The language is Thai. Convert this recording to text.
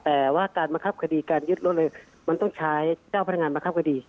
แต่ว่าการบังคับคดีการยึดรถเลยมันต้องใช้เจ้าพนักงานบังคับคดี